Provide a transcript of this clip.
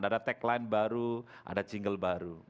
ada tagline baru ada jingle baru